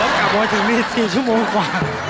กลับมาถึงนี่๔ชั่วโมงกว่า